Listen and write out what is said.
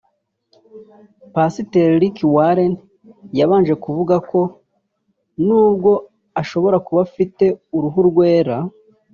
Pasiteri Rick Warren yabanje kuvuga ko nubwo ashobora kuba afite uruhu rwera